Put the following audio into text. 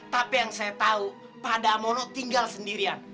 tapi yang saya tau pada mono tinggal sendirian